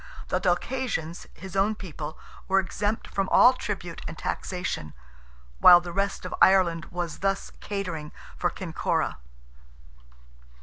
The Dalcassians, his own people, were exempt from all tribute and taxation—while the rest of Ireland was thus catering for Kinkora.